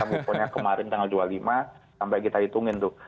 pokoknya kemarin tanggal dua puluh lima sampai kita hitungin tuh